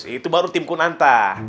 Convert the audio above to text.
itu baru timku nanta